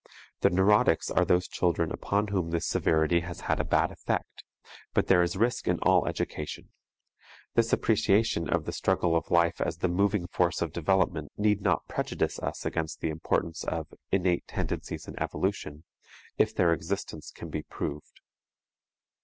The neurotics are those children upon whom this severity has had a bad effect but there is risk in all education. This appreciation of the struggle of life as the moving force of development need not prejudice us against the importance of "innate tendencies in evolution" if their existence can be proved.